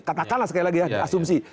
katakanlah sekali lagi ya asumsi